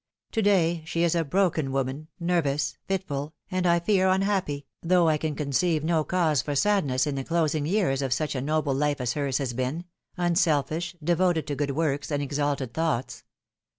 To day she is a broken woman, nervous, fitful, and, I fear, unhappy, though I can con ceive no cause for sadness in the closing years of such a noble life as hers has been, unselfish, devoted to good works and exalted thoughts.